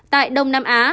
tại đông nam á